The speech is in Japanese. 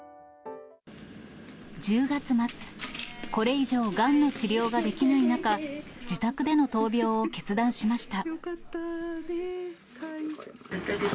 １０月末、これ以上がんの治療ができない中、自宅での闘病を決断しました。